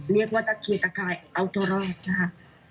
เรียกว่าตะขีดตะข่ายเอาตัวรอดนะคะ